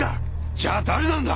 じゃあ誰なんだ？